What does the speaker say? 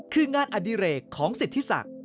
คืองานอดิเรกของสิทธิศักดิ์